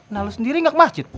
nah lu sendiri gak ke masjid